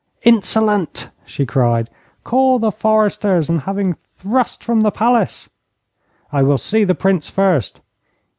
'Insolent!' she cried. 'Call the foresters and have him thrust from the palace' 'I will see the Prince first.'